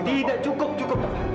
tidak cukup tovan